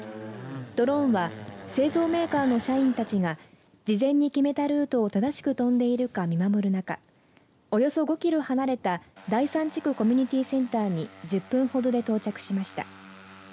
ドローンは製造メーカーの社員たちが事前に決めたルートを正しく飛んでいるか見守る中およそ５キロ離れた第三地区コミュニティセンターに１０分ほどで到着しました。